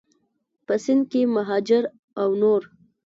په سند کې مهاجر او نور